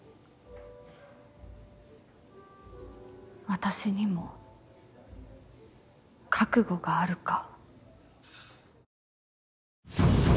私にも覚悟があるか？